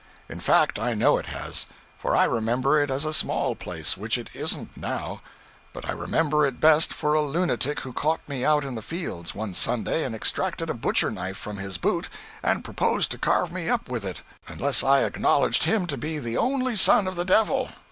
In fact, I know it has; for I remember it as a small place which it isn't now. But I remember it best for a lunatic who caught me out in the fields, one Sunday, and extracted a butcher knife from his boot and proposed to carve me up with it, unless I acknowledged him to be the only son of the Devil.